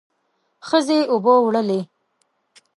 ښځې اوبه وړلې.